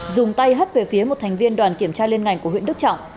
dùng tay hất về phía một thành viên đoàn kiểm tra liên ngành của huyện đức trọng